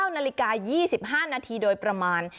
๙นาฬิกา๒๕นาทีโดยประมาณ